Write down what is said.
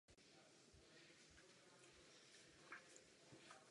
Buď krátkodobá oběť, nebo zánik stavu.